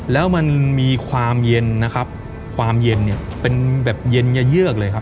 แล้วมันมีความเย็นนะครับความเย็นเนี่ยเป็นแบบเย็นยะเยือกเลยครับ